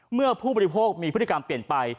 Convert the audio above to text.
ผู้บริโภคมีพฤติกรรมเปลี่ยนไป